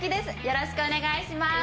よろしくお願いします。